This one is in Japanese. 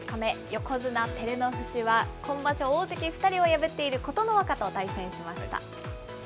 横綱・照ノ富士は、今場所、大関２人を破っている琴ノ若と対戦しました。